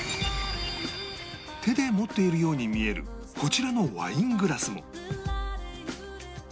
手で持っているように見えるこちらのワイングラスも